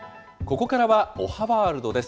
ここからはおはワールドです。